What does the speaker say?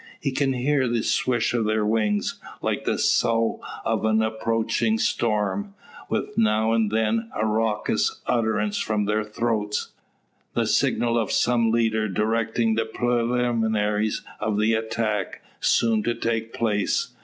He can hear the swish of their wings, like the sough of an approaching storm, with now and then a raucous utterance from their throats the signal of some leader directing the preliminaries of the attack, soon to take place.